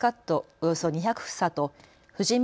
およそ２００房と藤稔